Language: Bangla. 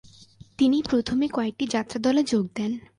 তিনি প্ৰথমে কয়েকটি যাত্ৰাদলে যোগ দেন।